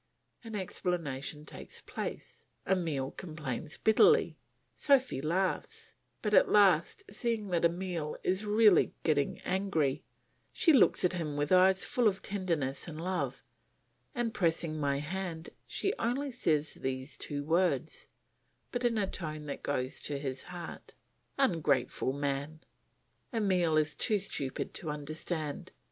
An explanation takes place. Emile complains bitterly, Sophy laughs; but at last, seeing that Emile is really getting angry, she looks at him with eyes full of tenderness and love, and pressing my hand, she only says these two words, but in a tone that goes to his heart, "Ungrateful man!" Emile is too stupid to understand.